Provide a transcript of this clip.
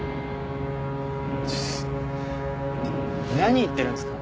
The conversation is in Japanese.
何言ってるんですか？